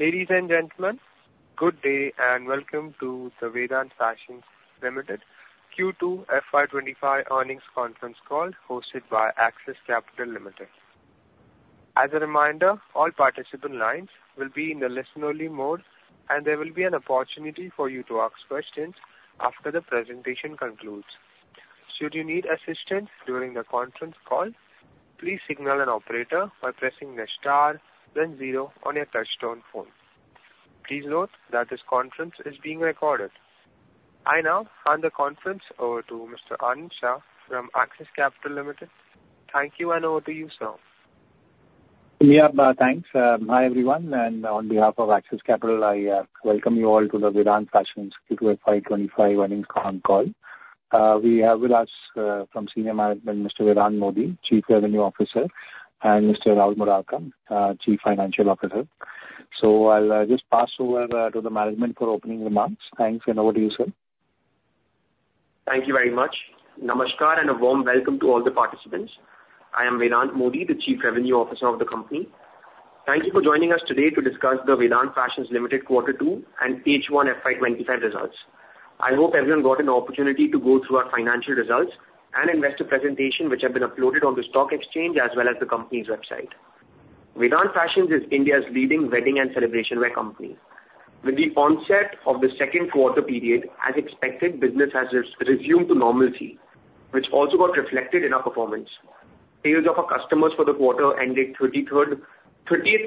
Ladies and gentlemen, good day and welcome to the Vedant Fashions Limited Q2 FY25 earnings conference call hosted by Axis Capital Limited. As a reminder, all participant lines will be in the listen-only mode, and there will be an opportunity for you to ask questions after the presentation concludes. Should you need assistance during the conference call, please signal an operator by pressing the star, then zero on your touch-tone phone. Please note that this conference is being recorded. I now hand the conference over to Mr. Anand Shah from Axis Capital Limited. Thank you, and over to you, sir. Yeah, thanks. Hi, everyone. And on behalf of Axis Capital, I welcome you all to the Vedant Fashions Q2 FY25 earnings conference call. We have with us from senior management, Mr. Vedant Modi, Chief Revenue Officer, and Mr. Rahul Murarka, Chief Financial Officer. So I'll just pass over to the management for opening remarks. Thanks, and over to you, sir. Thank you very much. Namaskar and a warm welcome to all the participants. I am Vedant Modi, the Chief Revenue Officer of the company. Thank you for joining us today to discuss the Vedant Fashions Limited Quarter 2 and H1 FY25 results. I hope everyone got an opportunity to go through our financial results and investor presentation, which have been uploaded on the stock exchange as well as the company's website. Vedant Fashions is India's leading wedding and celebration wear company. With the onset of the second quarter period, as expected, business has resumed to normality, which also got reflected in our performance. Sales of our customers for the quarter ending 30th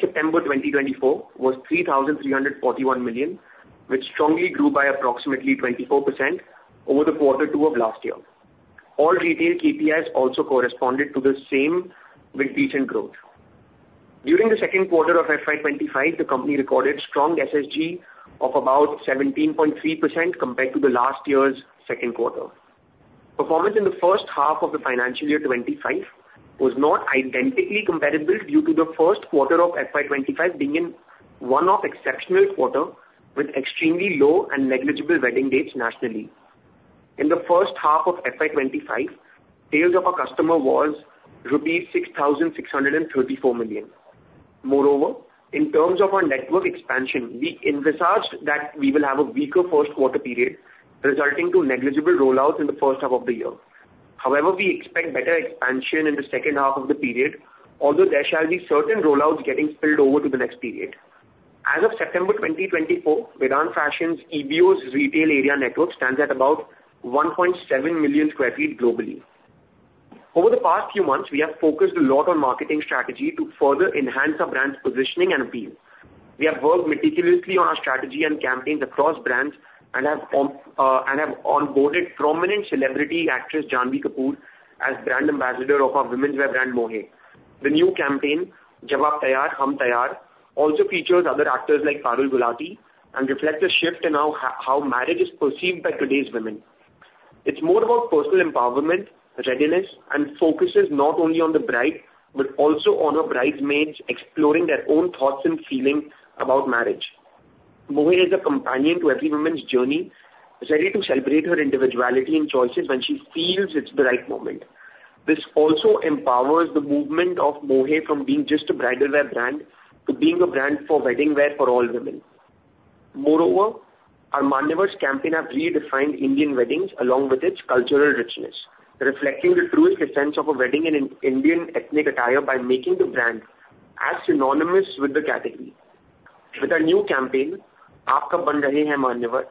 September 2024 was 3,341 million, which strongly grew by approximately 24% over the Quarter 2 of last year. All retail KPIs also corresponded to the same with decent growth. During the second quarter of FY25, the company recorded strong SSG of about 17.3% compared to last year's second quarter. Performance in the first half of the financial year 2025 was not identically comparable due to the first quarter of FY25 being one of exceptional quarters with extremely low and negligible wedding dates nationally. In the first half of FY25, our sales was rupees 6,634 million. Moreover, in terms of our network expansion, we envisaged that we will have a weaker first quarter period, resulting in negligible rollouts in the first half of the year. However, we expect better expansion in the second half of the period, although there shall be certain rollouts getting spilled over to the next period. As of September 2024, Vedant Fashions EBOs retail area network stands at about 1.7 million sq ft globally. Over the past few months, we have focused a lot on marketing strategy to further enhance our brand's positioning and appeal. We have worked meticulously on our strategy and campaigns across brands and have onboarded prominent celebrity actress Janhvi Kapoor as brand ambassador of our women's wear brand, Mohey. The new campaign, Jawab Taiyaar Hum Taiyaar, also features other actors like Parul Gulati and reflects a shift in how marriage is perceived by today's women. It's more about personal empowerment, readiness, and focuses not only on the bride but also on her bridesmaids exploring their own thoughts and feelings about marriage. Mohey is a companion to every woman's journey, ready to celebrate her individuality and choices when she feels it's the right moment. This also empowers the movement of Mohey from being just a bridal wear brand to being a brand for wedding wear for all women. Moreover, our Manyavar's campaign has redefined Indian weddings along with its cultural richness, reflecting the truest essence of a wedding in Indian ethnic attire by making the brand as synonymous with the category. With our new campaign, Aapka Ban Reh Manyavar,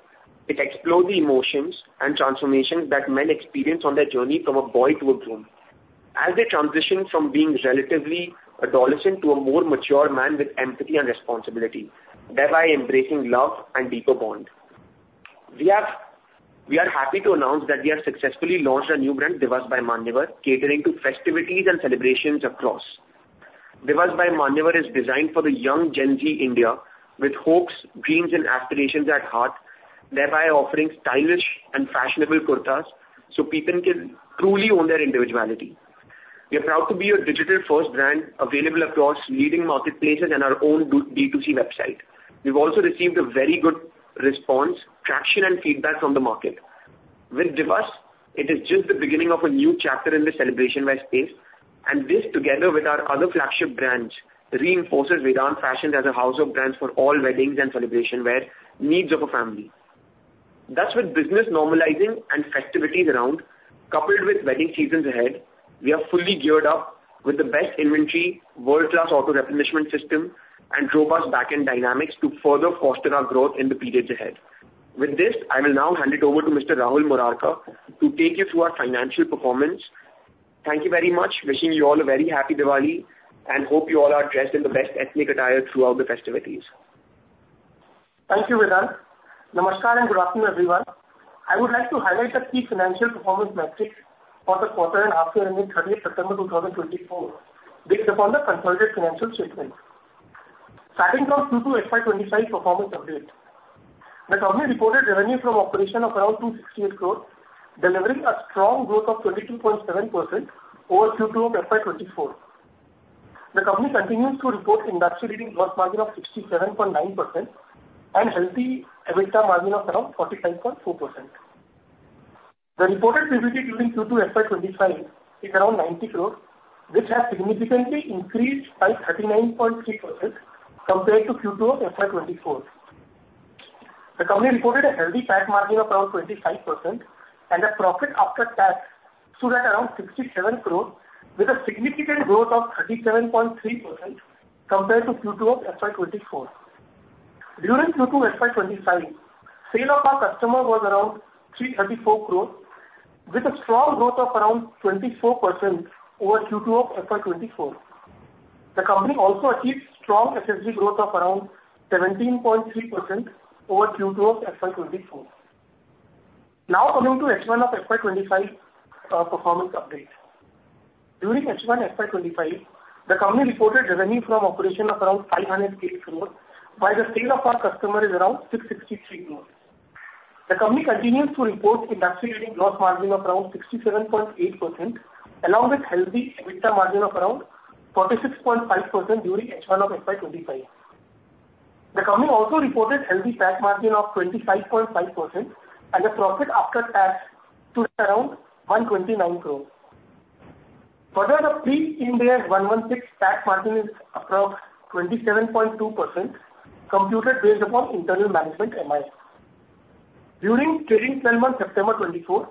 it explores the emotions and transformations that men experience on their journey from a boy to a groom, as they transition from being relatively adolescent to a more mature man with empathy and responsibility, thereby embracing love and deeper bond. We are happy to announce that we have successfully launched a new brand, Divas by Manyavar, catering to festivities and celebrations across. Divas by Manyavar is designed for the young Gen Z India with hopes, dreams, and aspirations at heart, thereby offering stylish and fashionable kurtas so people can truly own their individuality. We are proud to be a digital-first brand available across leading marketplaces and our own D2C website. We've also received a very good response, traction, and feedback from the market. With Divas, it is just the beginning of a new chapter in the celebration wear space, and this, together with our other flagship brands, reinforces Vedant Fashions as a house of brands for all weddings and celebration wear needs of a family. Thus, with business normalizing and festivities around, coupled with wedding seasons ahead, we are fully geared up with the best inventory, world-class auto replenishment system, and robust back-end dynamics to further foster our growth in the periods ahead. With this, I will now hand it over to Mr. Rahul Murarka to take you through our financial performance. Thank you very much. Wishing you all a very happy Diwali and hope you all are dressed in the best ethnic attire throughout the festivities. Thank you, Vedant. Namaskar and good afternoon, everyone. I would like to highlight the key financial performance metrics for the quarter and half year ending 30th September 2024, based upon the consolidated financial statements. Starting from Q2 FY25 performance update, the company reported revenue from operations of around 268 crore, delivering a strong growth of 22.7% over Q2 of FY24. The company continues to report industry-leading gross margin of 67.9% and healthy EBITDA margin of around 45.4%. The reported PBT during Q2 FY25 is around 90 crore, which has significantly increased by 39.3% compared to Q2 of FY24. The company reported a healthy PAT margin of around 25% and a profit after tax of around 67 crore, with a significant growth of 37.3% compared to Q2 of FY24. During Q2 FY25, sales of our company was around 334 crore, with a strong growth of around 24% over Q2 of FY24. The company also achieved strong SSG growth of around 17.3% over Q2 of FY24. Now coming to H1 of FY25 performance update. During H1 FY25, the company reported revenue from operations of around 508 crore, while the sales of our company is around 663 crore. The company continues to report industry-leading gross margin of around 67.8%, along with healthy EBITDA margin of around 46.5% during H1 of FY25. The company also reported healthy PAT margin of 25.5% and a profit after tax of around 129 crore. Further, the pre-Ind AS 116 PAT margin is approximately 27.2%, computed based upon internal management MIS. During trailing 12 months of September 2024,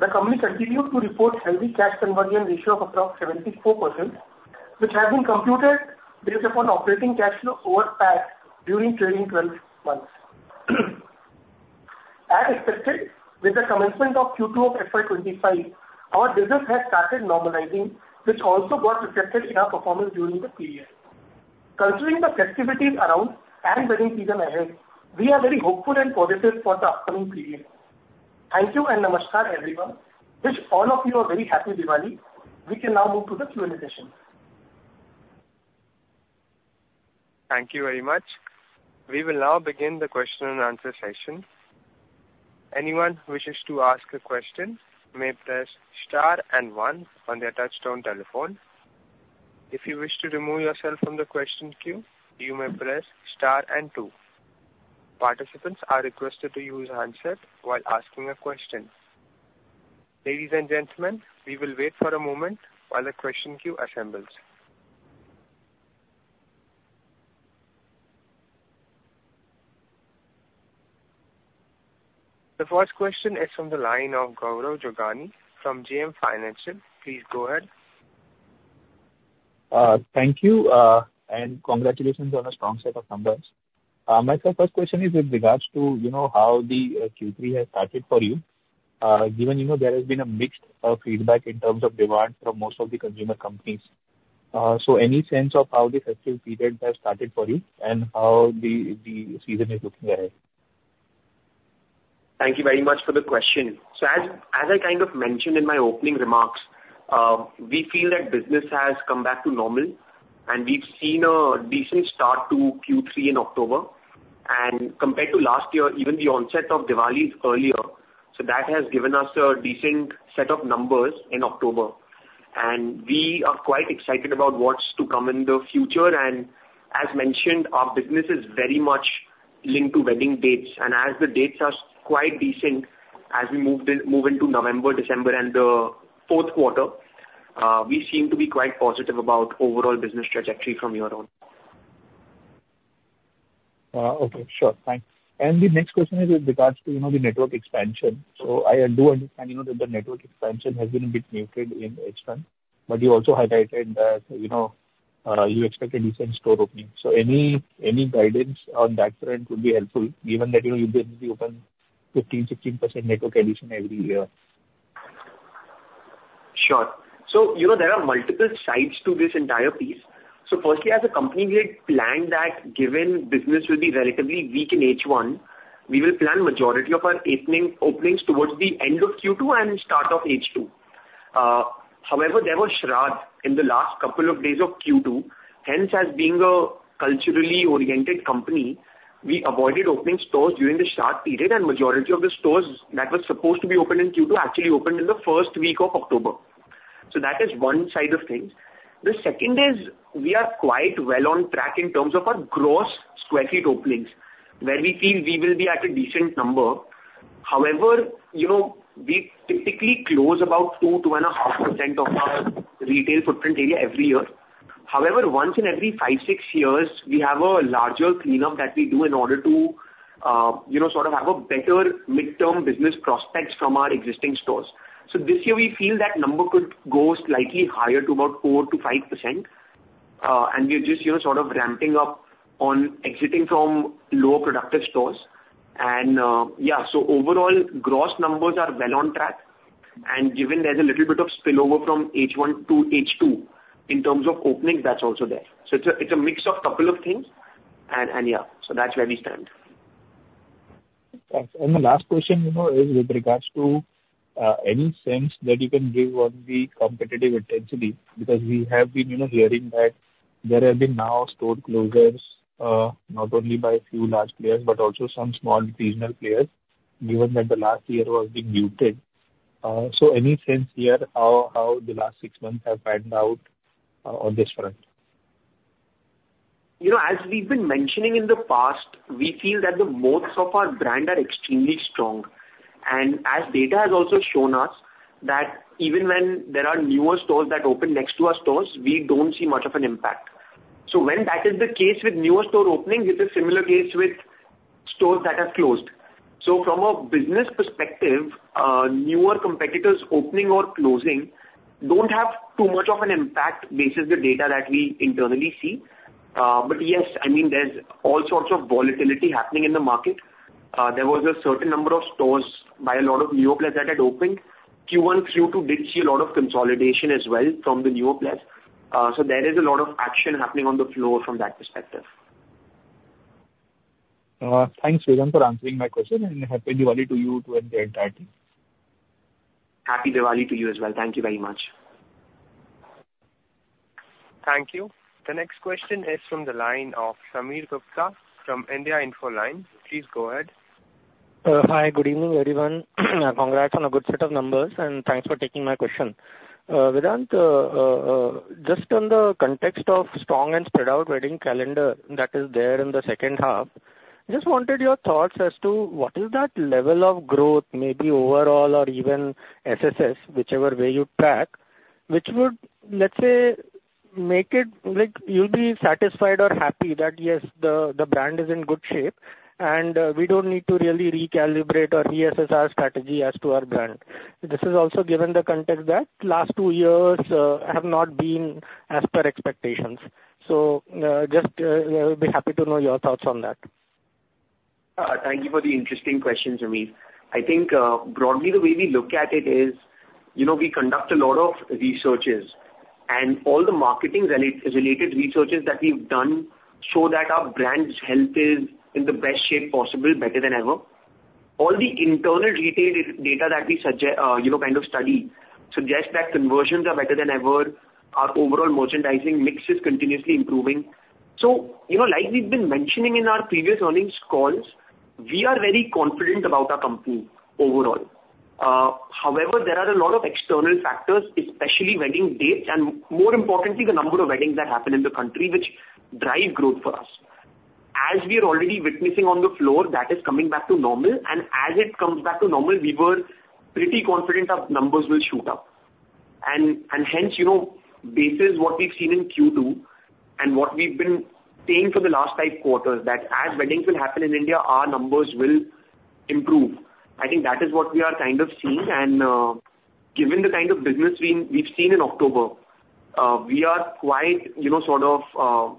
the company continued to report healthy cash conversion ratio of approximately 74%, which has been computed based upon operating cash flow over PAT during trailing 12 months. As expected, with the commencement of Q2 of FY25, our business has started normalizing, which also got reflected in our performance during the period. Considering the festivities around and wedding season ahead, we are very hopeful and positive for the upcoming period. Thank you and namaskar, everyone. Wish all of you a very happy Diwali. We can now move to the Q&A session. Thank you very much. We will now begin the question and answer session. Anyone who wishes to ask a question may press star and one on their touch-tone telephone. If you wish to remove yourself from the question queue, you may press star and two. Participants are requested to use handset while asking a question. Ladies and gentlemen, we will wait for a moment while the question queue assembles. The first question is from the line of Gaurav Jogani from JM Financial. Please go ahead. Thank you and congratulations on a strong set of numbers. My first question is with regards to how the Q3 has started for you. Given there has been a mixed feedback in terms of demand from most of the consumer companies, so any sense of how the festive period has started for you and how the season is looking ahead? Thank you very much for the question, so as I kind of mentioned in my opening remarks, we feel that business has come back to normal, and we've seen a decent start to Q3 in October, and compared to last year, even the onset of Diwali is earlier, so that has given us a decent set of numbers in October, and we are quite excited about what's to come in the future, and as mentioned, our business is very much linked to wedding dates, and as the dates are quite decent, as we move into November, December, and the fourth quarter, we seem to be quite positive about the overall business trajectory from here on. Okay, sure. Thanks. And the next question is with regards to the network expansion. So I do understand that the network expansion has been a bit muted in H1, but you also highlighted that you expect a decent store opening. So any guidance on that front would be helpful, given that you generally open 15%-16% network addition every year. Sure, so there are multiple sides to this entire piece. So firstly, as a company, we had planned that given business will be relatively weak in H1, we will plan the majority of our openings towards the end of Q2 and start of H2. However, there was Shradh in the last couple of days of Q2. Hence, as being a culturally oriented company, we avoided opening stores during the Shradh period, and the majority of the stores that were supposed to be open in Q2 actually opened in the first week of October. So that is one side of things. The second is we are quite well on track in terms of our gross sq ft openings, where we feel we will be at a decent number. However, we typically close about 2%-2.5% of our retail footprint area every year. However, once in every five, six years, we have a larger cleanup that we do in order to sort of have better midterm business prospects from our existing stores. So this year, we feel that number could go slightly higher to about 4%-5%. And we are just sort of ramping up on exiting from lower productive stores. And yeah, so overall, gross numbers are well on track. And given there's a little bit of spillover from H1 to H2 in terms of openings, that's also there. So it's a mix of a couple of things. And yeah, so that's where we stand. Thanks. And the last question is with regards to any sense that you can give on the competitive intensity, because we have been hearing that there have been now store closures, not only by a few large players but also some small regional players, given that the last year was being muted. So any sense here how the last six months have panned out on this front? As we've been mentioning in the past, we feel that most of our brands are extremely strong, and as data has also shown us that even when there are newer stores that open next to our stores, we don't see much of an impact, so when that is the case with newer store openings, it's a similar case with stores that have closed, so from a business perspective, newer competitors opening or closing don't have too much of an impact based on the data that we internally see, but yes, I mean, there's all sorts of volatility happening in the market. There was a certain number of stores by a lot of newer players that had opened. Q1 through Q2 did see a lot of consolidation as well from the newer players, so there is a lot of action happening on the floor from that perspective. Thanks, Vedant, for answering my question, and happy Diwali to you too in the entirety. Happy Diwali to you as well. Thank you very much. Thank you. The next question is from the line of Sameer Gupta from India Infoline. Please go ahead. Hi, good evening, everyone. Congrats on a good set of numbers, and thanks for taking my question. Vedant, just in the context of strong and spread-out wedding calendar that is there in the second half, just wanted your thoughts as to what is that level of growth, maybe overall or even SSS, whichever way you pack, which would, let's say, make it you'll be satisfied or happy that, yes, the brand is in good shape, and we don't need to really recalibrate or reassess our strategy as to our brand. This is also given the context that the last two years have not been as per expectations. So just we'd be happy to know your thoughts on that. Thank you for the interesting questions, Akhil. I think broadly, the way we look at it is we conduct a lot of researches, and all the marketing-related researches that we've done show that our brand's health is in the best shape possible, better than ever. All the internal retail data that we kind of study suggests that conversions are better than ever. Our overall merchandising mix is continuously improving. So like we've been mentioning in our previous earnings calls, we are very confident about our company overall. However, there are a lot of external factors, especially wedding dates and, more importantly, the number of weddings that happen in the country, which drive growth for us. As we are already witnessing on the floor, that is coming back to normal, and as it comes back to normal, we were pretty confident our numbers will shoot up. Hence, this is what we've seen in Q2 and what we've been saying for the last five quarters, that as weddings will happen in India, our numbers will improve. I think that is what we are kind of seeing. And given the kind of business we've seen in October, we are quite sort of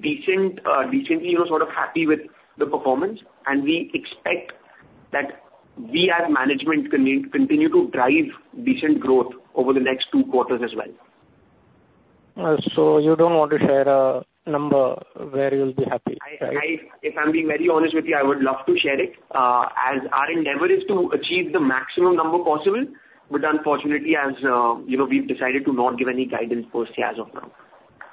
decently sort of happy with the performance. And we expect that we, as management, continue to drive decent growth over the next two quarters as well. So you don't want to share a number where you'll be happy, right? If I'm being very honest with you, I would love to share it. Our endeavor is to achieve the maximum number possible, but unfortunately, we've decided to not give any guidance per se as of now.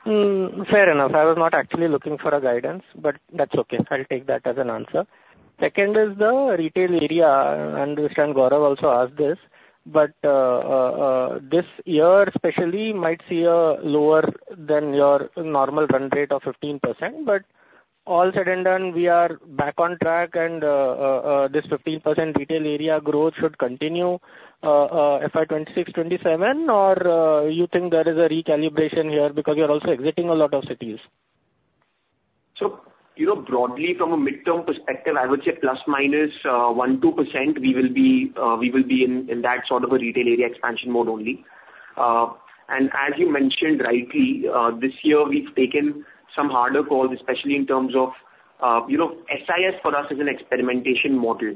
Fair enough. I was not actually looking for a guidance, but that's okay. I'll take that as an answer. Second is the retail area. I understand Gaurav also asked this, but this year especially might see a lower than your normal run rate of 15%. But all said and done, we are back on track, and this 15% retail area growth should continue FY26-27, or you think there is a recalibration here because you're also exiting a lot of cities? So broadly, from a midterm perspective, I would say plus minus 1%-2%, we will be in that sort of a retail area expansion mode only. And as you mentioned rightly, this year, we've taken some harder calls, especially in terms of SIS for us as an experimentation model.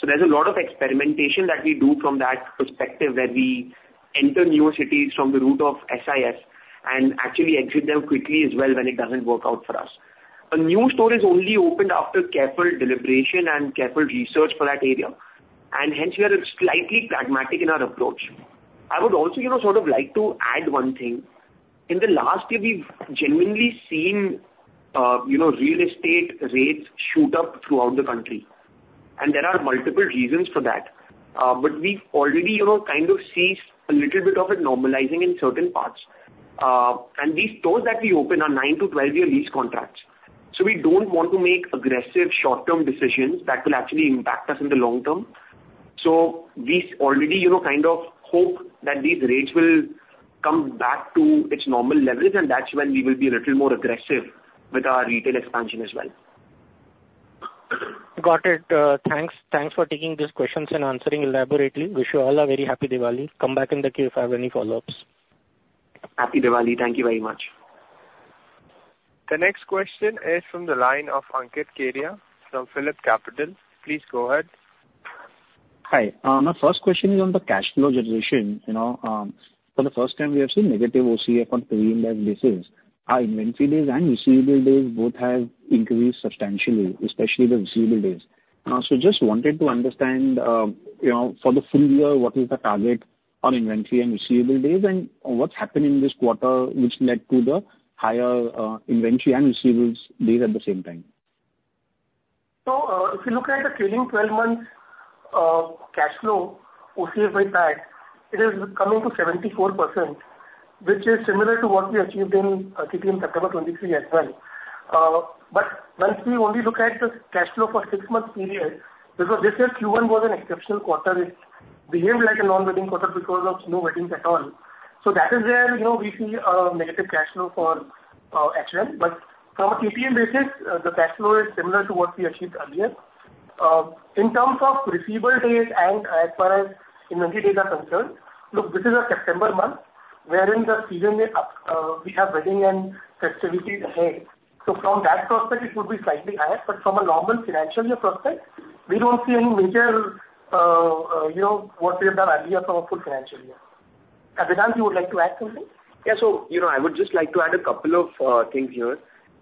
So there's a lot of experimentation that we do from that perspective where we enter newer cities from the route of SIS and actually exit them quickly as well when it doesn't work out for us. A new store is only opened after careful deliberation and careful research for that area. And hence, we are slightly pragmatic in our approach. I would also sort of like to add one thing. In the last year, we've genuinely seen real estate rates shoot up throughout the country. And there are multiple reasons for that. But we've already kind of seen a little bit of it normalizing in certain parts. And these stores that we open are nine to 12-year lease contracts. So we don't want to make aggressive short-term decisions that will actually impact us in the long term. So we already kind of hope that these rates will come back to its normal levels, and that's when we will be a little more aggressive with our retail expansion as well. Got it. Thanks for taking these questions and answering elaborately. Wish you all a very happy Diwali. Come back in the queue if you have any follow-ups. Happy Diwali. Thank you very much. The next question is from the line of Ankit Kedia from PhillipCapital. Please go ahead. Hi. My first question is on the cash flow generation. For the first time, we have seen negative OCF on pre-Ind AS basis. Our inventory days and receivables days both have increased substantially, especially the receivables days. So just wanted to understand for the full year, what is the target on inventory and receivables days, and what's happened in this quarter, which led to the higher inventory and receivables days at the same time? So if you look at the pre-IND 12-month cash flow OCF impact, it is coming to 74%, which is similar to what we achieved in September 2023 as well. But once we only look at the cash flow for a six-month period, because this year Q1 was an exceptional quarter, it behaved like a non-wedding quarter because of no weddings at all. So that is where we see a negative cash flow for H1. But from a KPI basis, the cash flow is similar to what we achieved earlier. In terms of receivable days and as far as inventory days are concerned, look, this is a September month wherein the season we have wedding and festivities ahead. So from that prospect, it would be slightly higher. But from a normal financial year prospect, we don't see any major what we have done earlier for a full financial year. Vedant, you would like to add something? Yeah. So I would just like to add a couple of things here.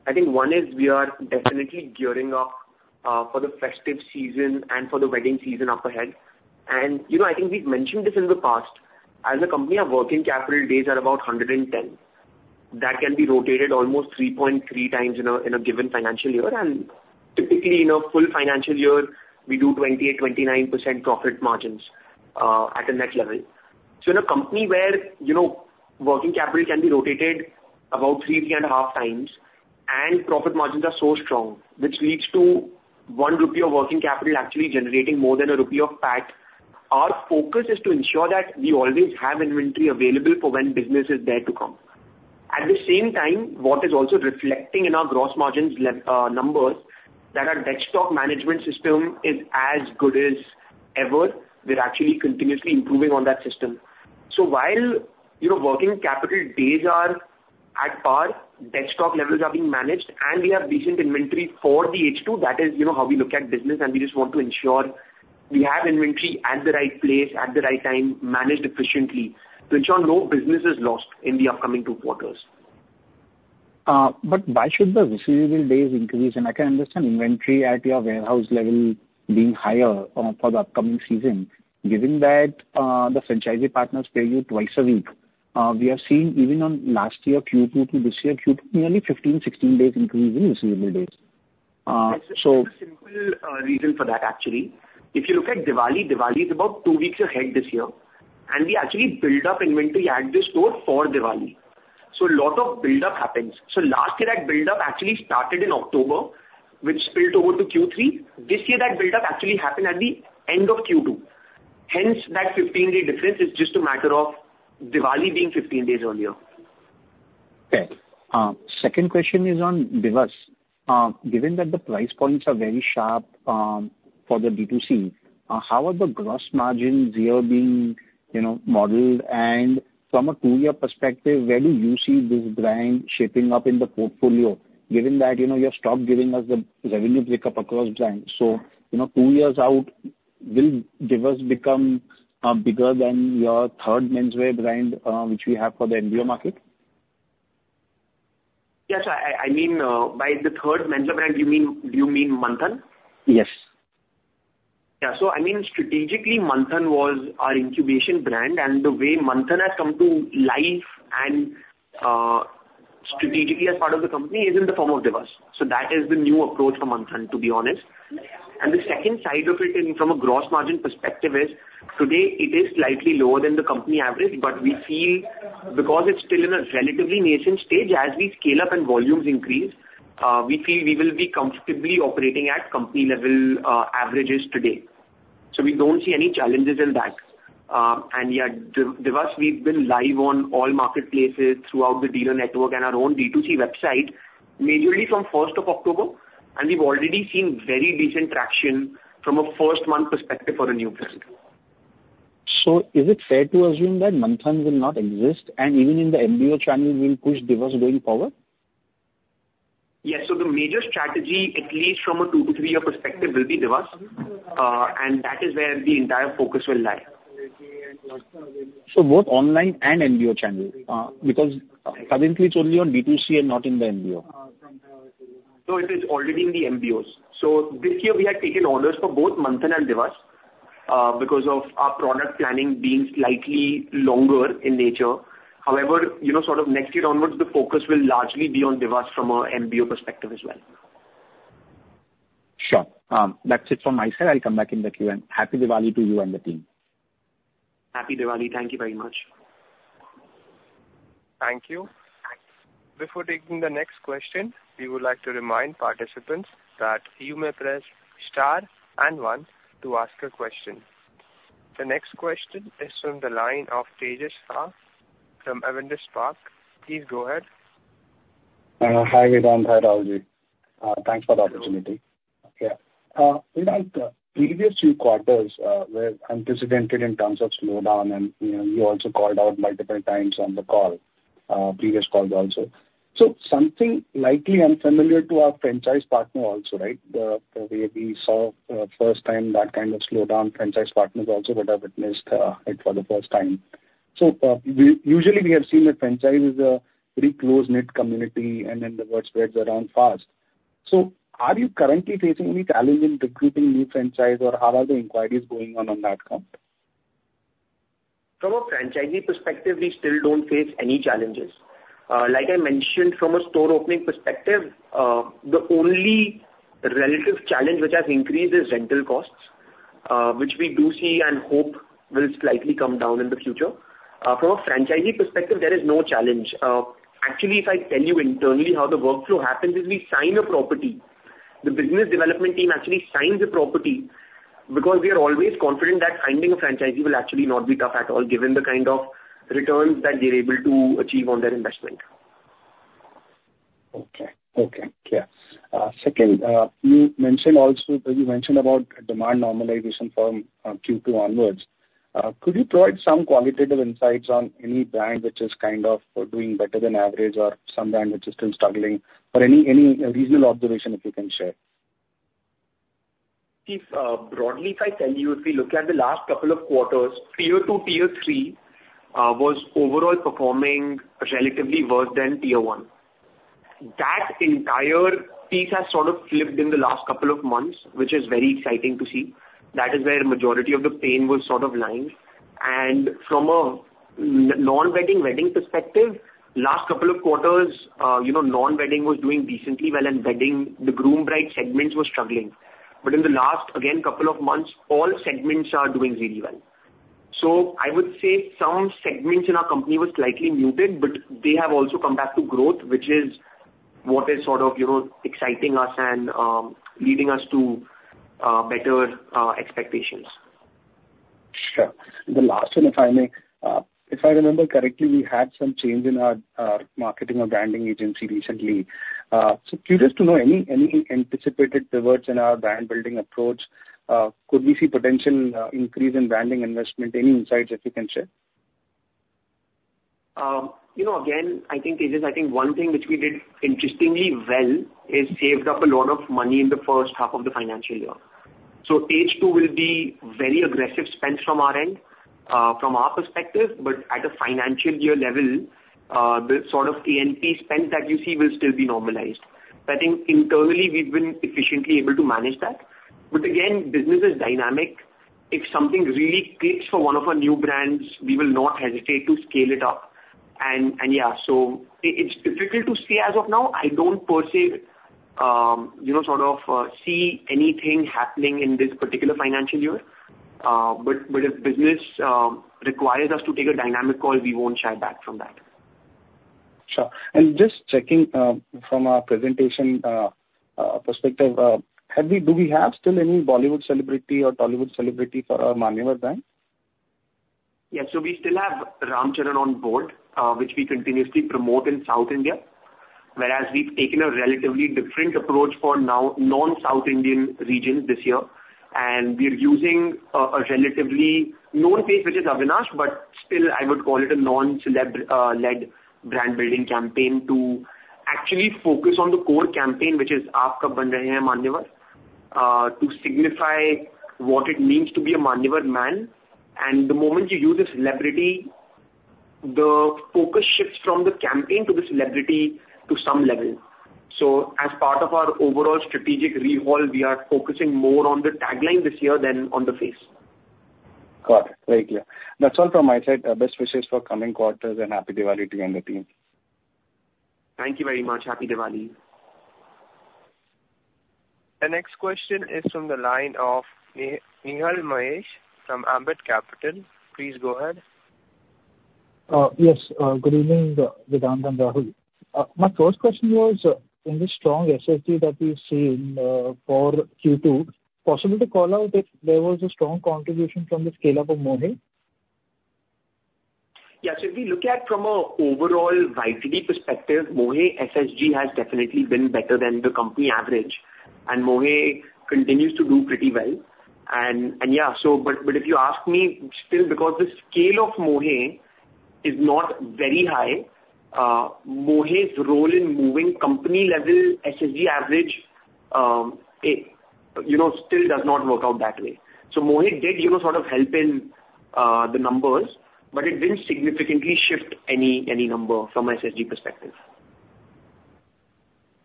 I think one is we are definitely gearing up for the festive season and for the wedding season up ahead. And I think we've mentioned this in the past. As a company, our working capital days are about 110. That can be rotated almost 3.3 times in a given financial year. And typically, in a full financial year, we do 28%, 29% profit margins at a net level. So in a company where working capital can be rotated about three and a half times and profit margins are so strong, which leads to one rupee of working capital actually generating more than a rupee of PAT, our focus is to ensure that we always have inventory available for when business is there to come. At the same time, what is also reflecting in our gross margins numbers that our deadstock management system is as good as ever. We're actually continuously improving on that system. So while working capital days are at par, deadstock levels are being managed, and we have decent inventory for the H2. That is how we look at business, and we just want to ensure we have inventory at the right place, at the right time, managed efficiently to ensure no business is lost in the upcoming two quarters. But why should the receivable days increase? And I can understand inventory at your warehouse level being higher for the upcoming season, given that the franchisee partners pay you twice a week. We have seen even on last year Q2 to this year Q2, nearly 15, 16 days increase in receivable days. That's a very simple reason for that, actually. If you look at Diwali, Diwali is about two weeks ahead this year, and we actually build up inventory at the store for Diwali. So a lot of build-up happens, so last year, that build-up actually started in October, which spilled over to Q3. This year, that build-up actually happened at the end of Q2. Hence, that 15-day difference is just a matter of Diwali being 15 days earlier. Okay. Second question is on Divas. Given that the price points are very sharp for the B2C, how are the gross margins here being modeled? And from a two-year perspective, where do you see this brand shaping up in the portfolio, given that you're starting to give us the revenue pickup across brands? So two years out, will Divas become bigger than your third menswear brand, which we have for the MBO market? Yeah. So I mean, by the third menswear brand, do you mean Manthan? Yes. Yeah. So I mean, strategically, Manthan was our incubation brand. And the way Manthan has come to life and strategically as part of the company is in the form of Divas. So that is the new approach for Manthan, to be honest. And the second side of it from a gross margin perspective is today, it is slightly lower than the company average, but we feel because it's still in a relatively nascent stage, as we scale up and volumes increase, we feel we will be comfortably operating at company-level averages today. So we don't see any challenges in that. And yeah, Divas, we've been live on all marketplaces throughout the dealer network and our own D2C website, majorly from 1st of October. And we've already seen very decent traction from a first-month perspective for a new brand. Is it fair to assume that Manthan will not exist, and even in the MBO channel, we'll push Divas going forward? Yes. So the major strategy, at least from a two to three-year perspective, will be Divas. And that is where the entire focus will lie. So both online and MBO channel, because currently, it's only on D2C and not in the MBO. No, it is already in the MBOs. So this year, we have taken orders for both Manthan and Divas because of our product planning being slightly longer in nature. However, sort of next year onwards, the focus will largely be on Divas from an MBO perspective as well. Sure. That's it from my side. I'll come back in the queue, and happy Diwali to you and the team. Happy Diwali. Thank you very much. Thank you. Before taking the next question, we would like to remind participants that you may press star and one to ask a question. The next question is from the line of Tejas Shah from Avendus Spark. Please go ahead. Hi, Vedant. Hi, Ravi. Thanks for the opportunity. Yeah. Vedant, previous few quarters were unprecedented in terms of slowdown, and you also called out multiple times on the call, previous calls also. So something likely unfamiliar to our franchise partner also, right? The way we saw first time that kind of slowdown, franchise partners also would have witnessed it for the first time. So usually, we have seen that franchise is a very close-knit community, and then the word spreads around fast. So are you currently facing any challenge in recruiting new franchise, or how are the inquiries going on on that count? From a franchisee perspective, we still don't face any challenges. Like I mentioned, from a store opening perspective, the only relative challenge which has increased is rental costs, which we do see and hope will slightly come down in the future. From a franchisee perspective, there is no challenge. Actually, if I tell you internally how the workflow happens, if we sign a property, the business development team actually signs a property because we are always confident that finding a franchisee will actually not be tough at all, given the kind of returns that they're able to achieve on their investment. Okay. Yeah. Second, you mentioned also about demand normalization from Q2 onwards. Could you provide some qualitative insights on any brand which is kind of doing better than average, or some brand which is still struggling, or any regional observation if you can share? If broadly, if I tell you, if we look at the last couple of quarters, tier two, tier three was overall performing relatively worse than tier one. That entire piece has sort of flipped in the last couple of months, which is very exciting to see. That is where the majority of the pain was sort of lying, and from a non-wedding wedding perspective, last couple of quarters, non-wedding was doing decently well, and wedding, the groom-bride segments were struggling, but in the last, again, couple of months, all segments are doing really well, so I would say some segments in our company were slightly muted, but they have also come back to growth, which is what is sort of exciting us and leading us to better expectations. Sure. The last one, if I may, if I remember correctly, we had some change in our marketing or branding agency recently. So curious to know, any anticipated pivots in our brand-building approach? Could we see potential increase in branding investment? Any insights that you can share? Again, I think Tejas, I think one thing which we did interestingly well is saved up a lot of money in the first half of the financial year. So tier two will be very aggressive spend from our end, from our perspective. But at a financial year level, the sort of A&P spend that you see will still be normalized. But I think internally, we've been efficiently able to manage that. But again, business is dynamic. If something really clicks for one of our new brands, we will not hesitate to scale it up. And yeah, so it's difficult to see as of now. I don't per se sort of see anything happening in this particular financial year. But if business requires us to take a dynamic call, we won't shy back from that. Sure. And just checking from our presentation perspective, do we have still any Bollywood celebrity or Tollywood celebrity for our Manyavar brand? Yes. So we still have Ram Charan on board, which we continuously promote in South India, whereas we've taken a relatively different approach for non-South Indian regions this year. And we are using a relatively known face, which is Avinash, but still, I would call it a non-celeb-led brand-building campaign to actually focus on the core campaign, which is Aap Kapde Pehnaane Wale Manyavar, to signify what it means to be a Manyavar man. And the moment you use a celebrity, the focus shifts from the campaign to the celebrity to some level. So as part of our overall strategic recall, we are focusing more on the tagline this year than on the face. Got it. Very clear. That's all from my side. Best wishes for coming quarters and happy Diwali to you and the team. Thank you very much. Happy Diwali. The next question is from the line of Nihal Mahesh Jham from Ambit Capital. Please go ahead. Yes. Good evening, Vedant and Rahul. My first question was, in the strong SSG that we've seen for Q2, possible to call out if there was a strong contribution from the scale-up of Mohey? Yeah. So if we look at from an overall Vedant perspective, Mohey SSG has definitely been better than the company average. And Mohey continues to do pretty well. And yeah, but if you ask me, still, because the scale of Mohey is not very high, Mohey's role in moving company-level SSG average still does not work out that way. So Mohey did sort of help in the numbers, but it didn't significantly shift any number from SSG perspective.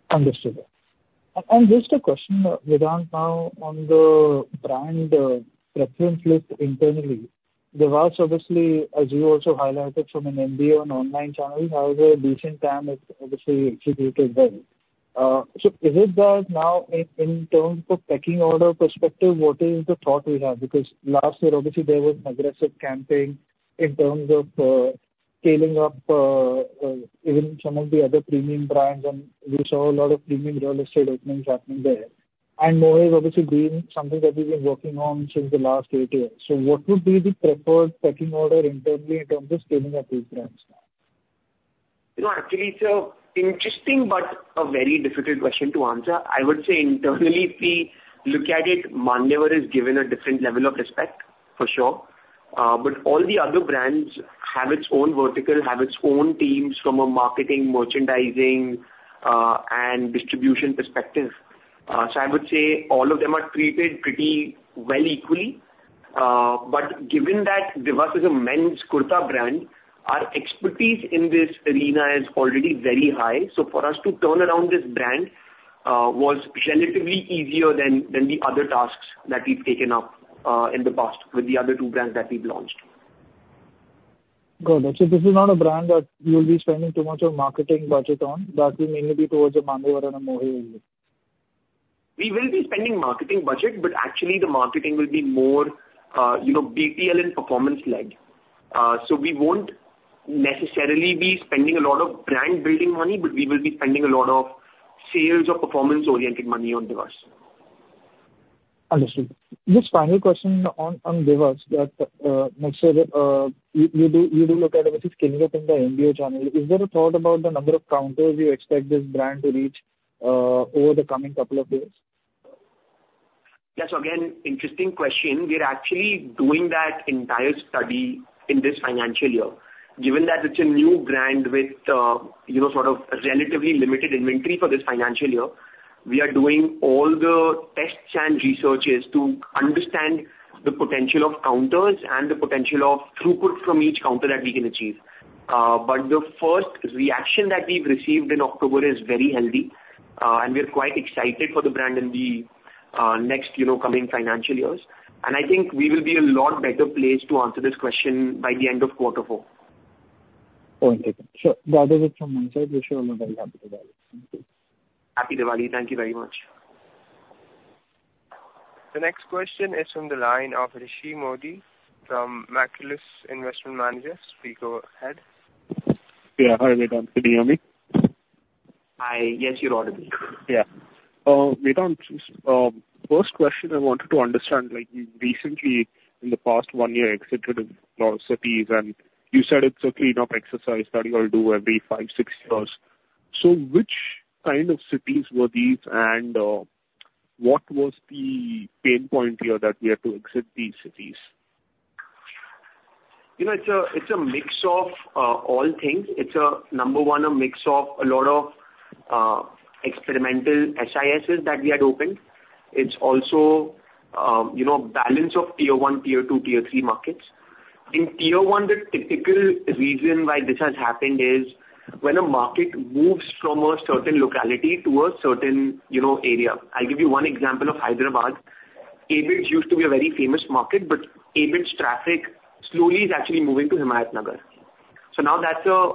Understood. And just a question, Vedant, now on the brand preference list internally, Divas, obviously, as you also highlighted from an MBO and online channel, has a decent time of obviously executed well. So is it that now in terms of pecking order perspective, what is the thought we have? Because last year, obviously, there was an aggressive campaign in terms of scaling up even some of the other premium brands, and we saw a lot of premium real estate openings happening there. And Mohey has obviously been something that we've been working on since the last eight years. So what would be the preferred pecking order internally in terms of scaling up these brands now? No, actually, so interesting, but a very difficult question to answer. I would say internally, if we look at it, Manyavar is given a different level of respect, for sure. But all the other brands have its own vertical, have its own teams from a marketing, merchandising, and distribution perspective. So I would say all of them are treated pretty well equally. But given that Divas is a men's kurta brand, our expertise in this arena is already very high. So for us to turn around this brand was relatively easier than the other tasks that we've taken up in the past with the other two brands that we've launched. Got it. So this is not a brand that you'll be spending too much of marketing budget on, that will mainly be towards a Manyavar and a Mohey only? We will be spending marketing budget, but actually, the marketing will be more BTL and performance-led. So we won't necessarily be spending a lot of brand-building money, but we will be spending a lot of sales or performance-oriented money on Divas. Understood. Just final question on Divas, that next year, you do look at obviously scaling up in the MBO channel. Is there a thought about the number of counters you expect this brand to reach over the coming couple of years? Yes. Again, interesting question. We're actually doing that entire study in this financial year. Given that it's a new brand with sort of relatively limited inventory for this financial year, we are doing all the tests and researches to understand the potential of counters and the potential of throughput from each counter that we can achieve. But the first reaction that we've received in October is very healthy. And we're quite excited for the brand in the next coming financial years. And I think we will be a lot better placed to answer this question by the end of quarter four. Okay. Sure. That was it from my side. Wish you all a very happy Diwali. Thank you. Happy Diwali. Thank you very much. The next question is from the line of Rishi Mody from Marcellus Investment Managers. Please go ahead. Yeah. Hi, Vedant. Can you hear me? Hi. Yes, you're audible. Yeah. Vedant, first question, I wanted to understand, recently, in the past one year, exited a lot of cities, and you said it's a cleanup exercise that you all do every five, six years. So which kind of cities were these, and what was the pain point here that you had to exit these cities? It's a mix of all things. It's, number one, a mix of a lot of experimental SISs that we had opened. It's also a balance of tier one, tier two, tier three markets. In tier one, the typical reason why this has happened is when a market moves from a certain locality to a certain area. I'll give you one example of Hyderabad. Abids used to be a very famous market, but Abids traffic slowly is actually moving to Himayat Nagar. So now that's a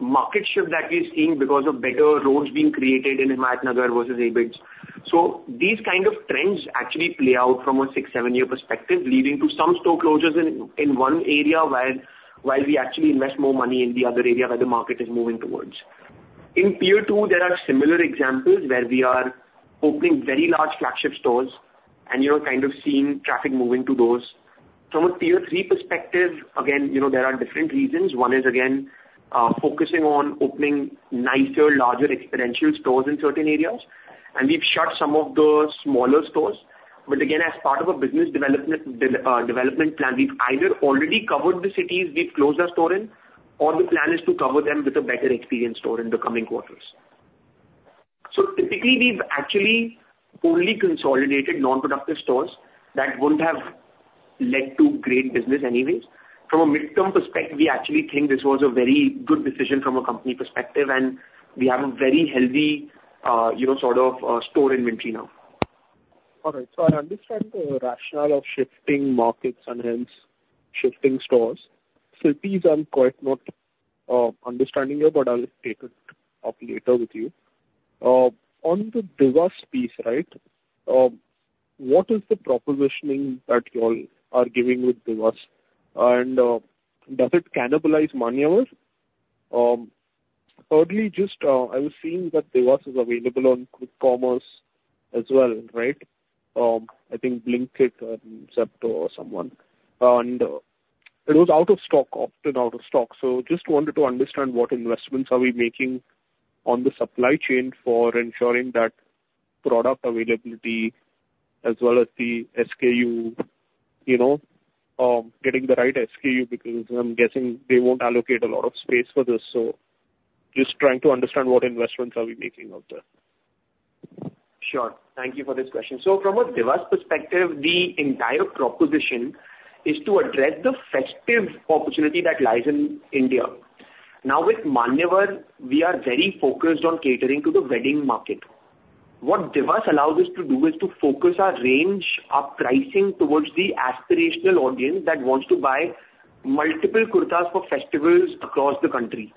market shift that we're seeing because of better roads being created in Himayat Nagar versus Abids. So these kind of trends actually play out from a six, seven-year perspective, leading to some store closures in one area while we actually invest more money in the other area where the market is moving towards. In tier two, there are similar examples where we are opening very large flagship stores and kind of seeing traffic moving to those. From a tier three perspective, again, there are different reasons. One is, again, focusing on opening nicer, larger experiential stores in certain areas, and we've shut some of the smaller stores, but again, as part of a business development plan, we've either already covered the cities we've closed our store in, or the plan is to cover them with a better experience store in the coming quarters, so typically, we've actually only consolidated non-productive stores that wouldn't have led to great business anyways. From a medium-term perspective, we actually think this was a very good decision from a company perspective, and we have a very healthy sort of store inventory now. All right. So I understand the rationale of shifting markets and hence shifting stores. Cities I'm not quite understanding here, but I'll take it up later with you. On the Divas piece, right, what is the positioning that you all are giving with Divas? And does it cannibalize Manyavar? Thirdly, just I was seeing that Divas is available on quick commerce as well, right? I think Blinkit or Zepto or someone. And it was out of stock, often out of stock. So just wanted to understand what investments are we making on the supply chain for ensuring that product availability as well as the SKU, getting the right SKU, because I'm guessing they won't allocate a lot of space for this. So just trying to understand what investments are we making out there. Sure. Thank you for this question. So from a Divas perspective, the entire proposition is to address the festive opportunity that lies in India. Now, with Manyavar, we are very focused on catering to the wedding market. What Divas allows us to do is to focus our range, our pricing towards the aspirational audience that wants to buy multiple kurtas for festivals across the country.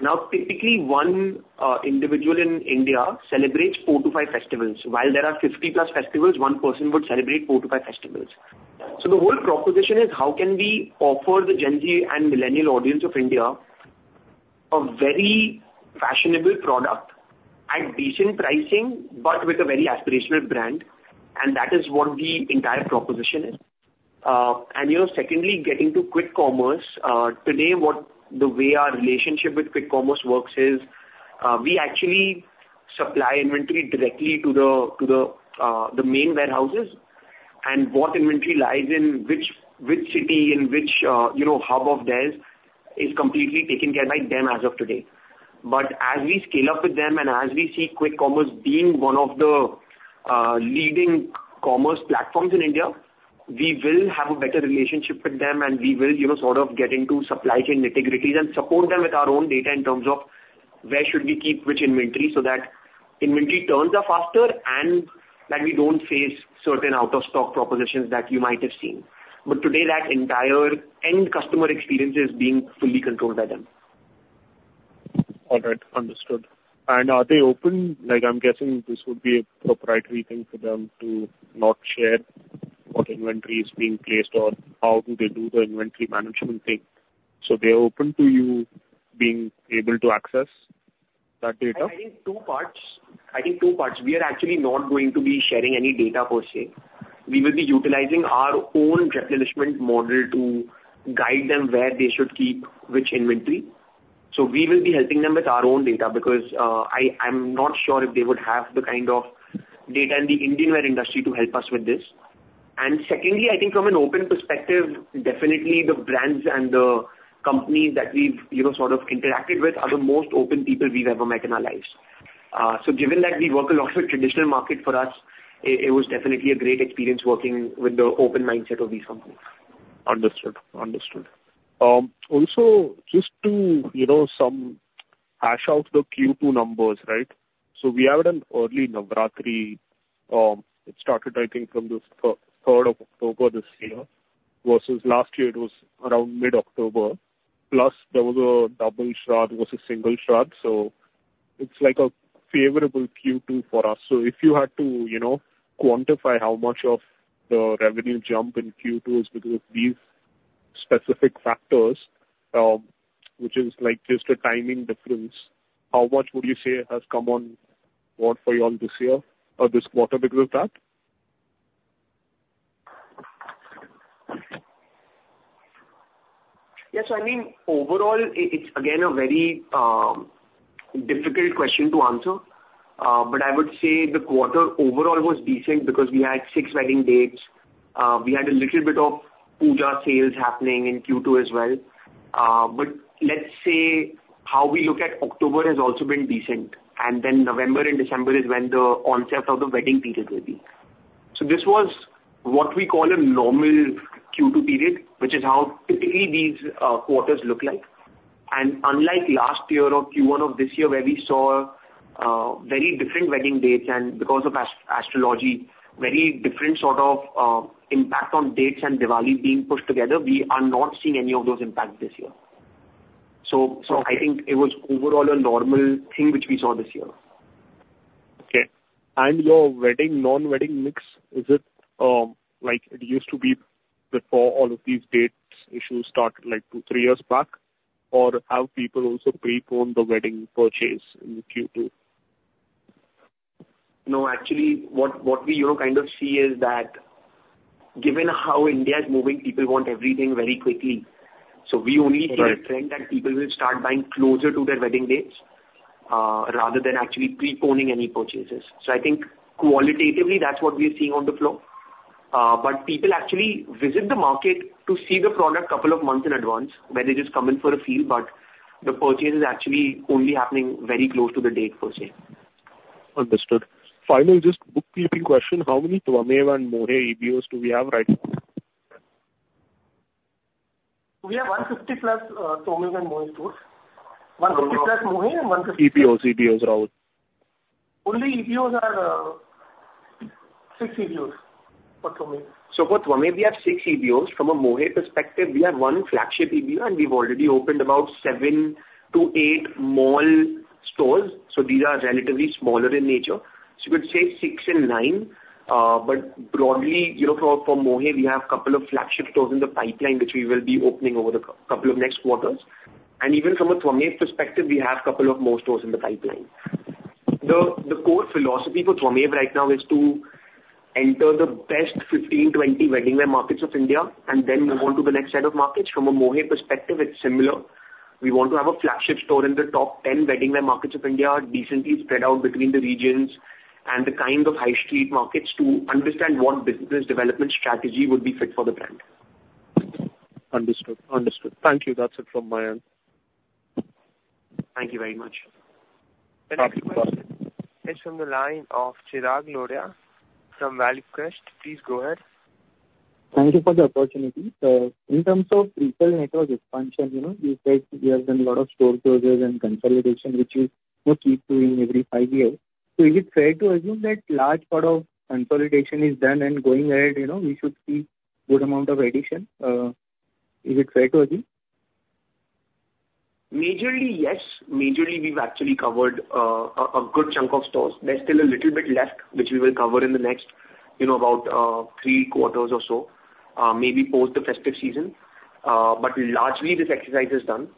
Now, typically, one individual in India celebrates four to five festivals. While there are 50-plus festivals, one person would celebrate four to five festivals. So the whole proposition is how can we offer the Gen Z and Millennial audience of India a very fashionable product at decent pricing, but with a very aspirational brand. And that is what the entire proposition is. And secondly, getting to Quick Commerce. Today, the way our relationship with Quick Commerce works is we actually supply inventory directly to the main warehouses. And what inventory lies in which city, in which hub of theirs is completely taken care of by them as of today. But as we scale up with them and as we see Quick Commerce being one of the leading commerce platforms in India, we will have a better relationship with them, and we will sort of get into supply chain integrity and support them with our own data in terms of where should we keep which inventory so that inventory turns up faster and that we don't face certain out-of-stock propositions that you might have seen. But today, that entire end customer experience is being fully controlled by them. All right. Understood. And are they open? I'm guessing this would be a proprietary thing for them to not share what inventory is being placed on, how do they do the inventory management thing? So they're open to you being able to access that data? I think two parts. We are actually not going to be sharing any data per se. We will be utilizing our own replenishment model to guide them where they should keep which inventory. So we will be helping them with our own data because I'm not sure if they would have the kind of data in the Indian wear industry to help us with this. Secondly, I think from an openness perspective, definitely the brands and the companies that we've sort of interacted with are the most open people we've ever met in our lives. So given that we work a lot with traditional market for us, it was definitely a great experience working with the open mindset of these companies. Understood. Understood. Also, just to hash out the Q2 numbers, right? So we had an early Navratri. It started, I think, from the 3rd of October this year versus last year it was around mid-October. Plus, there was a double Shradh versus single Shradh. So it's like a favorable Q2 for us. So if you had to quantify how much of the revenue jump in Q2 is because of these specific factors, which is just a timing difference, how much would you say has come on board for you all this year or this quarter because of that? Yes. I mean, overall, it's again a very difficult question to answer. But I would say the quarter overall was decent because we had six wedding dates. We had a little bit of Puja sales happening in Q2 as well. But let's say how we look at October has also been decent. And then November and December is when the onset of the wedding period will be. So this was what we call a normal Q2 period, which is how typically these quarters look like. And unlike last year or Q1 of this year where we saw very different wedding dates and because of astrology, very different sort of impact on dates and Diwali being pushed together, we are not seeing any of those impacts this year. So I think it was overall a normal thing which we saw this year. Okay. And your wedding non-wedding mix, is it like it used to be before all of these dates issues started like two, three years back? Or have people also preponed the wedding purchase in Q2? No. Actually, what we kind of see is that given how India is moving, people want everything very quickly. So we only see a trend that people will start buying closer to their wedding dates rather than actually preponing any purchases. So I think qualitatively, that's what we are seeing on the floor. But people actually visit the market to see the product a couple of months in advance, where they just come in for a feel, but the purchase is actually only happening very close to the date per se. Understood. Final just bookkeeping question. How many Twamev and Mohey EBOs do we have right now? We have 150-plus Twamev and Mohey stores. 150-plus Mohey and 150-plus. EBOs, EBOs, Rahul? Only EBOs are six EBOs for Twamev. So for Twamev, we have six EBOs. From a Mohey perspective, we have one flagship EBO, and we've already opened about seven to eight mall stores. So these are relatively smaller in nature. So you could say six and nine. But broadly, for Mohey, we have a couple of flagship stores in the pipeline, which we will be opening over the couple of next quarters. And even from a Twamev perspective, we have a couple of more stores in the pipeline. The core philosophy for Twamev right now is to enter the best 15, 20 wedding wear markets of India and then move on to the next set of markets. From a Mohey perspective, it's similar. We want to have a flagship store in the top 10 wedding wear markets of India, decently spread out between the regions, and the kind of high-street markets to understand what business development strategy would be fit for the brand. Understood. Understood. Thank you. That's it from my end. Thank you very much. Thank you for asking. It's from the line of Chirag Lodaya from ValueQuest. Please go ahead. Thank you for the opportunity. So in terms of retail network expansion, you said you have done a lot of store closures and consolidation, which is more key to doing every five years. So is it fair to assume that a large part of consolidation is done and going ahead? We should see a good amount of addition. Is it fair to assume? Majorly, yes. Majorly, we've actually covered a good chunk of stores. There's still a little bit left, which we will cover in the next about three quarters or so, maybe post the festive season. But largely, this exercise is done.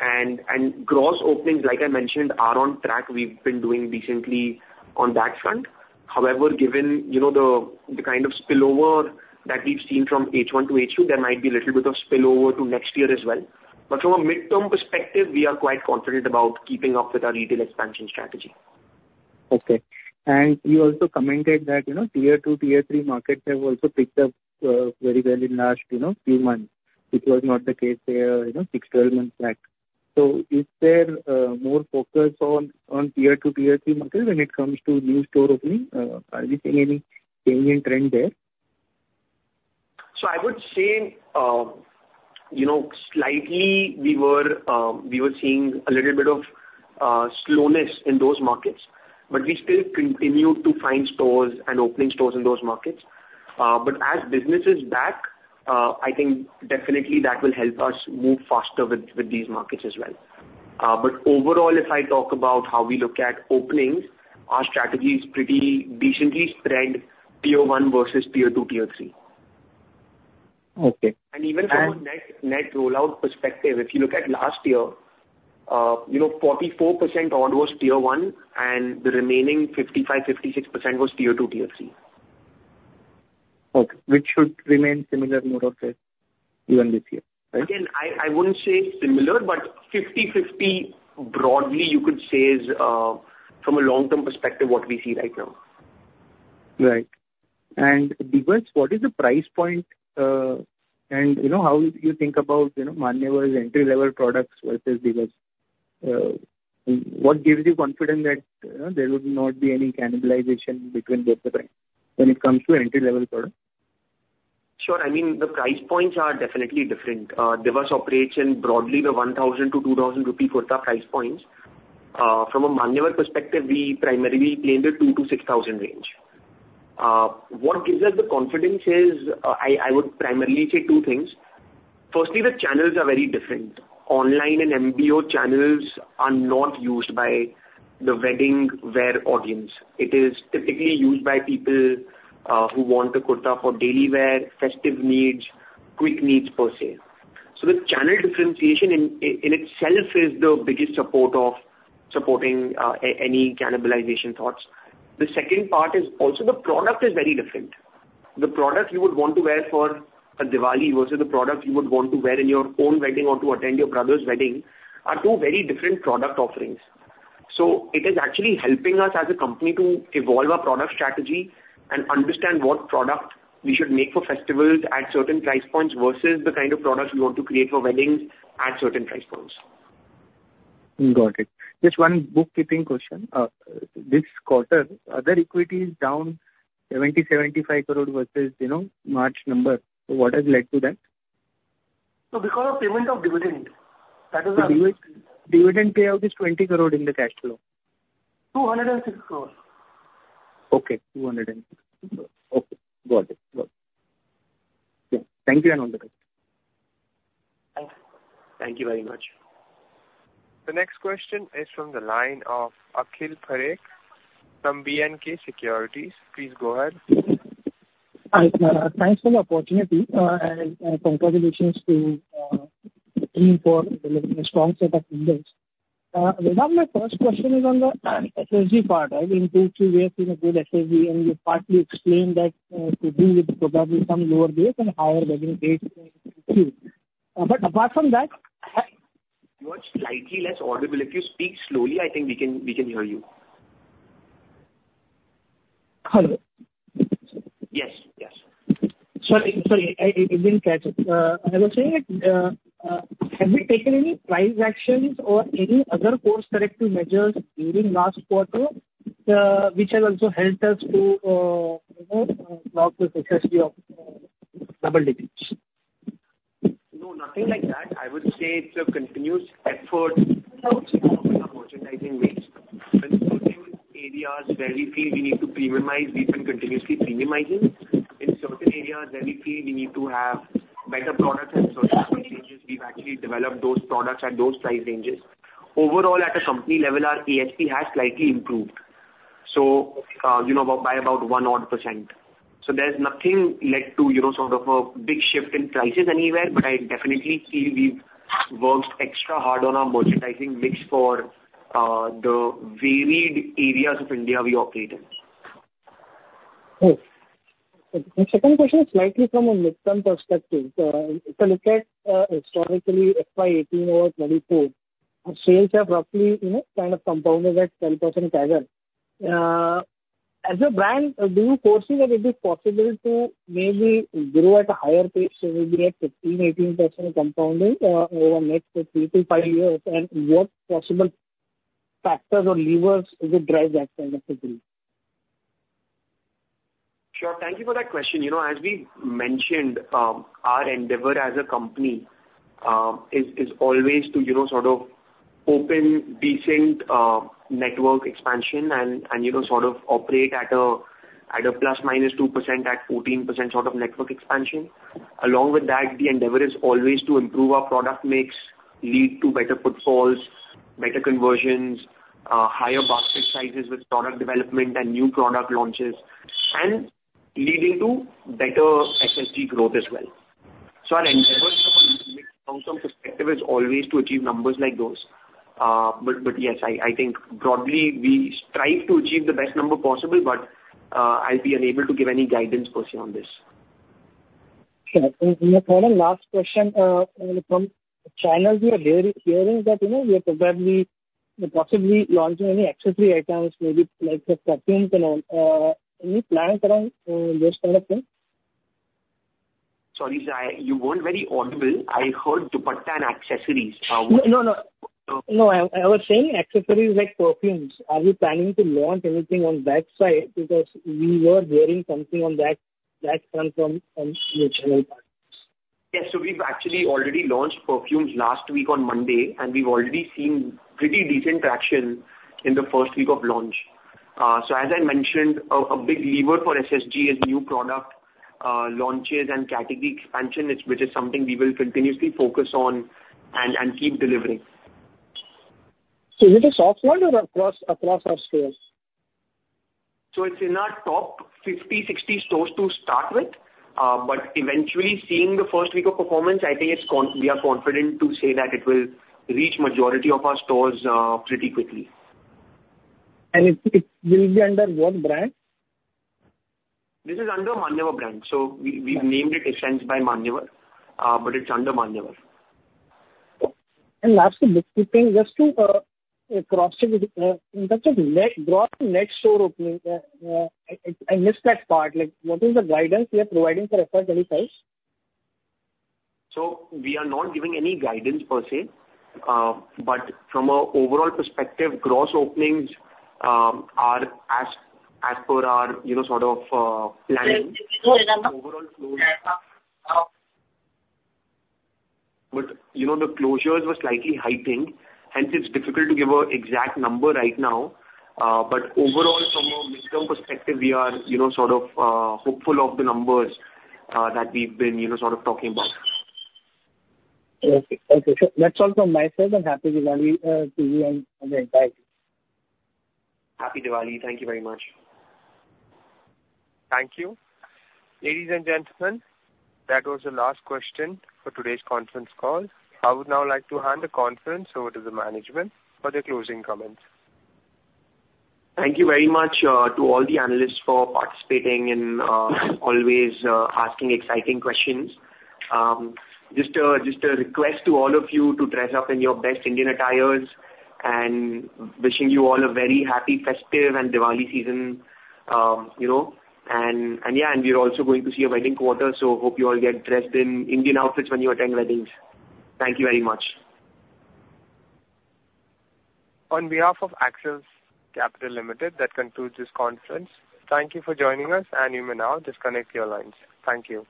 And gross openings, like I mentioned, are on track. We've been doing decently on that front. However, given the kind of spillover that we've seen from H1 to H2, there might be a little bit of spillover to next year as well. But from a midterm perspective, we are quite confident about keeping up with our retail expansion strategy. Okay. And you also commented that tier two, tier three markets have also picked up very well in the last few months, which was not the case then six, 12 months back. So is there more focus on tier two, tier three markets when it comes to new store opening? Are we seeing any change in trend there? So I would say slightly we were seeing a little bit of slowness in those markets. But we still continue to find stores and opening stores in those markets. But as business is back, I think definitely that will help us move faster with these markets as well. But overall, if I talk about how we look at openings, our strategy is pretty decently spread tier one versus tier two, tier three. Okay. Even from a net rollout perspective, if you look at last year, 44% odd was tier one, and the remaining 55%-56% was tier two, tier three. Okay. Which should remain similar more or less even this year, right? Again, I wouldn't say similar, but 50/50 broadly, you could say is from a long-term perspective what we see right now. Right. And Divas, what is the price point? And how do you think about Manyavar's entry-level products versus Divas? What gives you confidence that there would not be any cannibalization between both the brands when it comes to entry-level products? Sure. I mean, the price points are definitely different. Divas operates in broadly the 1,000-2,000 rupee kurta price points. From a Manyavar perspective, we primarily play in the 2,000-6,000 range. What gives us the confidence is I would primarily say two things. Firstly, the channels are very different. Online and MBO channels are not used by the wedding wear audience. It is typically used by people who want a kurta for daily wear, festive needs, quick needs per se. So the channel differentiation in itself is the biggest support of supporting any cannibalization thoughts. The second part is also the product is very different. The product you would want to wear for a Diwali versus the product you would want to wear in your own wedding or to attend your brother's wedding are two very different product offerings. So it is actually helping us as a company to evolve our product strategy and understand what product we should make for festivals at certain price points versus the kind of product we want to create for weddings at certain price points. Got it. Just one bookkeeping question. This quarter, are inventories down 70-75 crore versus March number? What has led to that? So because of payment of dividend, that is a. Dividend payout is 20 crore in the cash flow. 206 crore. Okay. 206. Okay. Got it. Got it. Thank you and all the best. Thank you. Thank you very much. The next question is from the line of Akhil Parekh from B&K Securities. Please go ahead. Thanks for the opportunity and congratulations to the team for delivering a strong set of numbers. One of my first questions is on the SSG part. In Q2, we have seen a good SSG, and you partly explained that it could be with probably some lower base and higher wedding dates in Q2. But apart from that. You are slightly less audible. If you speak slowly, I think we can hear you. Hello. Yes. Yes. Sorry. Sorry. I didn't catch it. I was saying, have we taken any price actions or any other course corrective measures during last quarter, which have also helped us to clock the success of double digits? No, nothing like that. I would say it's a continuous effort to improve our merchandising rates. In certain areas where we feel we need to premiumize, we've been continuously premiumizing. In certain areas where we feel we need to have better products and certain ranges, we've actually developed those products at those price ranges. Overall, at a company level, our ASP has slightly improved, so by about 1%. So there's nothing led to sort of a big shift in prices anywhere, but I definitely feel we've worked extra hard on our merchandising mix for the varied areas of India we operate in. Okay. The second question is slightly from a midterm perspective. If you look at historically FY 2018 to 2024, sales have roughly kind of compounded at 12% CAGR. As a brand, do you foresee that it is possible to maybe grow at a higher pace maybe at 15%-18% compounding over the next three to five years? And what possible factors or levers would drive that kind of increase? Sure. Thank you for that question. As we mentioned, our endeavor as a company is always to sort of open decent network expansion and sort of operate at a plus minus 2% at 14% sort of network expansion. Along with that, the endeavor is always to improve our product mix, lead to better footfalls, better conversions, higher basket sizes with product development and new product launches, and leading to better SSG growth as well. So our endeavor from a long-term perspective is always to achieve numbers like those. But yes, I think broadly, we strive to achieve the best number possible, but I'll be unable to give any guidance per se on this. Okay. And my final last question from channels: we are hearing that you are possibly launching any accessory items, maybe like perfume, cologne. Any plans around those kind of things? Sorry, you weren't very audible. I heard dupatta and accessories. No, no, no. I was saying accessories like perfumes. Are you planning to launch anything on that side because we were hearing something on that front from your channel partners? Yes. So we've actually already launched perfumes last week on Monday, and we've already seen pretty decent traction in the first week of launch. So as I mentioned, a big lever for SSG is new product launches and category expansion, which is something we will continuously focus on and keep delivering. So is it a soft launch or across our stores? So it's in our top 50-60 stores to start with, but eventually seeing the first week of performance, I think we are confident to say that it will reach the majority of our stores pretty quickly. It will be under what brand? This is under Manyavar brand. So we've named it Essence by Manyavar, but it's under Manyavar. And lastly bookkeeping, just to cross-check, in terms of net gross and net store opening, I missed that part. What is the guidance you are providing for FY 25? So we are not giving any guidance per se, but from an overall perspective, gross openings are as per our sort of planning. But the closures were slightly heightened, hence it's difficult to give an exact number right now. But overall, from a midterm perspective, we are sort of hopeful of the numbers that we've been sort of talking about. Okay. Okay. That's all from my side. I'm happy to be on the inside. Happy Diwali. Thank you very much. Thank you. Ladies and gentlemen, that was the last question for today's conference call. I would now like to hand the conference over to the management for their closing comments. Thank you very much to all the analysts for participating and always asking exciting questions. Just a request to all of you to dress up in your best Indian attires, and wishing you all a very happy festive and Diwali season, and yeah, and we're also going to see a wedding quarter, so hope you all get dressed in Indian outfits when you attend weddings. Thank you very much. On behalf of Axis Capital Limited, that concludes this conference. Thank you for joining us, and you may now disconnect your lines. Thank you.